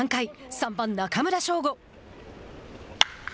３番、中村奨吾。